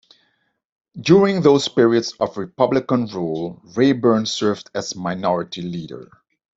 During those periods of Republican rule, Rayburn served as Minority Leader.